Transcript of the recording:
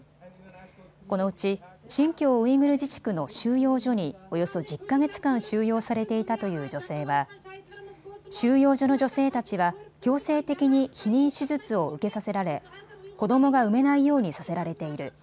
このうち新疆ウイグル自治区の収容所におよそ１０か月間、収容されていたという女性は収容所の女性たちは強制的に避妊手術を受けさせられ子どもが産めないようにさせられている。